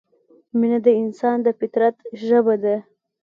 مینه د انسان د فطرت ژبه ده.